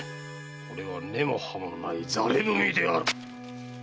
これは根も葉もない戯れ文である！